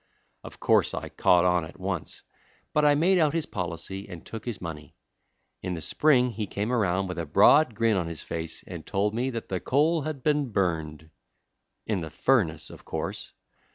Of course I caught on at once, but I made out his policy and took his money. In the spring he came around with a broad grin on his face and told me that the coal had been burned in the furnace, of course.